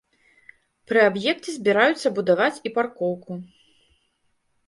Пры аб'екце збіраюцца будаваць і паркоўку.